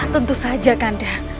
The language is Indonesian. tentu saja kanda